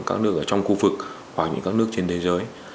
các nước ở trong khu vực hoặc những các nước trên thế giới